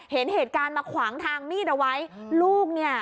เห็นเหตุการณ์มาขวางทางมีดเอาไว้ลูกเนี่ย